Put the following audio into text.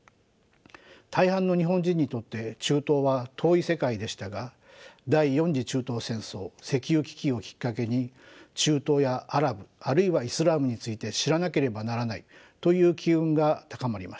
大半の日本人にとって中東は遠い世界でしたが第４次中東戦争石油危機をきっかけに中東やアラブあるいはイスラームについて知らなければならないという機運が高まりました。